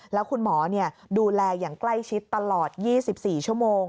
แล้วคุณหมอดูแลอย่างใกล้ชิดตลอด๒๔ชั่วโมง